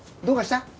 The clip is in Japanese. どうかした？